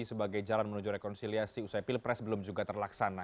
sebagai jalan menuju rekonsiliasi usai pilpres belum juga terlaksana